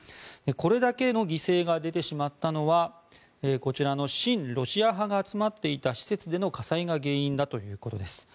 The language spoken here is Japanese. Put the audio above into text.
これだけの犠牲が出てしまったのは親ロシア派が集まっていた施設での火災が原因だということです。